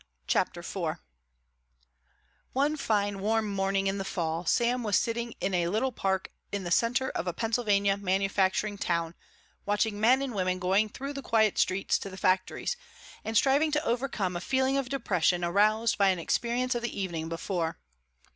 CHAPTER IV One fine warm morning in the fall Sam was sitting in a little park in the centre of a Pennsylvania manufacturing town watching men and women going through the quiet streets to the factories and striving to overcome a feeling of depression aroused by an experience of the evening before.